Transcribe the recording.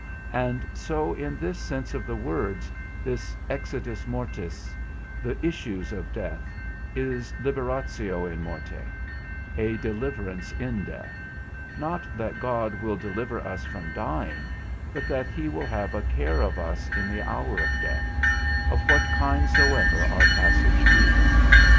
And so in this sense of the words, this exitus mortis, the issues of death, is liberatio in morte, a deliverance in death; not that God will deliver us from dying, but that he will have a care of us in the hour of death, of what kind soever our passage be.